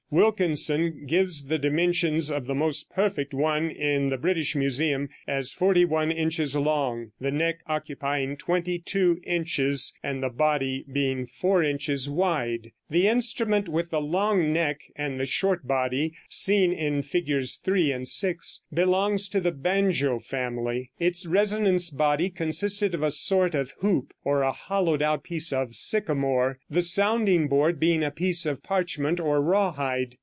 Wilkinson gives the dimensions of the most perfect one in the British Museum as forty one inches long, the neck occupying twenty two inches, and the body being four inches wide. The instrument with the long neck and the short body, seen in Figs. 3 and 6, belongs to the banjo family. Its resonance body consisted of a sort of hoop, or a hollowed out piece of sycamore, the sounding board being a piece of parchment or rawhide.